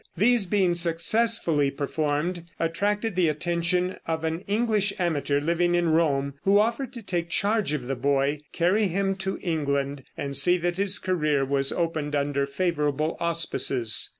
These being successfully performed, attracted the attention of an English amateur living in Rome, who offered to take charge of the boy, carry him to England and see that his career was opened under favorable auspices.